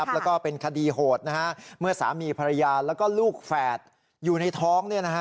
แล้วก็เป็นคดีโหดเมื่อสามีภรรยาแล้วก็ลูกแฝดอยู่ในท้อง